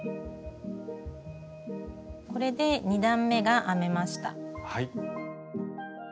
これで２段めが編めました。